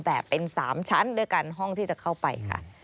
แต่เป็น๓ชั้นด้วยกันห้องที่จะเข้าไปค่ะ